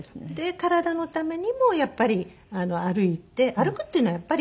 体のためにもやっぱり歩いて歩くっていうのはやっぱり。